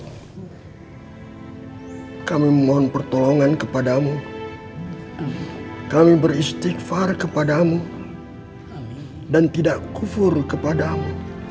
hai kamu mohon pertolongan kepadamu kami beristighfar kepadamu dan tidak kufur kepadamu